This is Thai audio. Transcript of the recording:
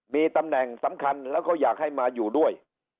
มีตำแหน่งสำคัญแล้วก็อยากให้มาอยู่ด้วย